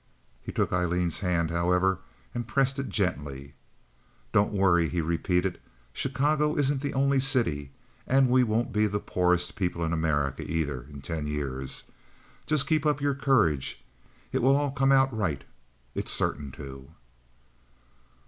He took Aileen's hand, however, and pressed it gently. "Don't worry," he repeated. "Chicago isn't the only city, and we won't be the poorest people in America, either, in ten years. Just keep up your courage. It will all come out right. It's certain to."